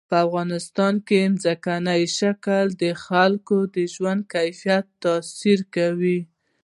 په افغانستان کې ځمکنی شکل د خلکو د ژوند کیفیت تاثیر کوي.